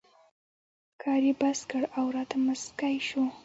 کار یې بس کړ او راته مسکی شو.